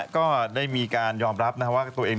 ก็ได้มีการยอมรับว่าตัวเอง